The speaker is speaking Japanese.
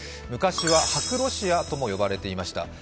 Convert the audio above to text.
昔は白ロシアとも呼ばれていました。